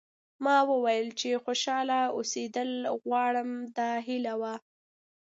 ما وویل چې خوشاله اوسېدل غواړم دا هیله وه.